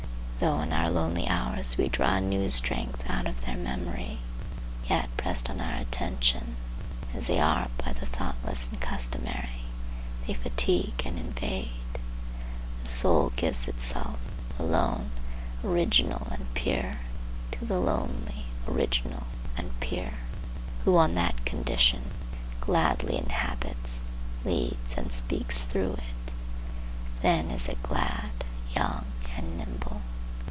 Though in our lonely hours we draw a new strength out of their memory, yet, pressed on our attention, as they are by the thoughtless and customary, they fatigue and invade. The soul gives itself, alone, original and pure, to the Lonely, Original and Pure, who, on that condition, gladly inhabits, leads and speaks through it. Then is it glad, young and nimble.